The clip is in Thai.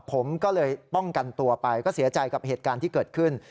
ผมก็เลยป้องกันตัวไปก็เสียใจกับเหตุการณ์ที่เกิดขึ้น